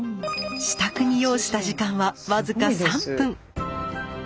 支度に要した時間は僅か３分。